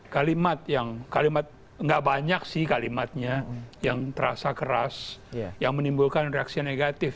kalimat yang kalimat nggak banyak sih kalimatnya yang terasa keras yang menimbulkan reaksi negatif